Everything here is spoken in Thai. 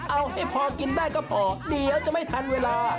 เอาให้พอกินได้ก็พอเดี๋ยวจะไม่ทันเวลา